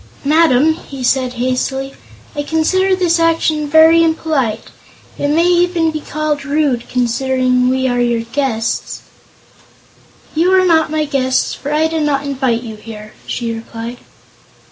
"Madam," he said hastily, "I consider this action very impolite. It may even be called rude, considering we are your guests." "You are not guests, for I did not invite you here," she replied.